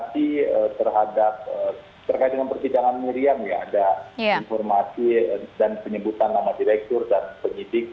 jadi terhadap terkait dengan percidangan miriam ya ada informasi dan penyebutan nama direktur dan penyidik